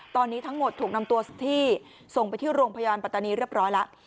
ตอนนี้ทั้งหมดถูกนำตัวที่ส่งไปที่โรงพยาบาลปัตตานีเรียบร้อยแล้ว